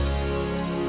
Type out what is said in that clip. terima kasih bang